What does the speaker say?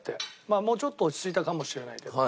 まあもうちょっと落ち着いたかもしれないけど。